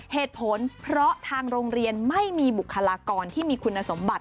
เหตุผลเพราะทางโรงเรียนไม่มีบุคลากรที่มีคุณสมบัติ